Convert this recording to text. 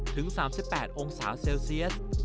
ถึง๓๘องศาเซลเซียส